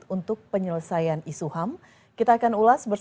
lalu apakah para calon presiden memiliki visi yang ditilai cukup kongres